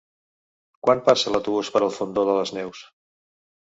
Quan passa l'autobús per el Fondó de les Neus?